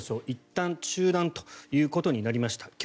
いったん中断ということになりました。